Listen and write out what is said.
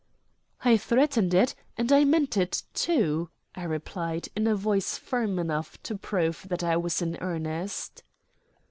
"I threatened it, and I meant it too," I replied, in a voice firm enough to prove that I was in earnest.